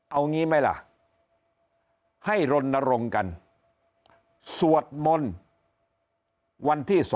เอางี้ไหมล่ะให้รณรงค์กันสวดมนต์วันที่๒